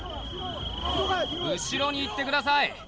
後ろに行ってください。